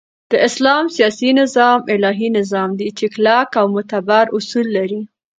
د اسلام سیاسی نظام الهی نظام دی چی کلک او معتبر اصول لری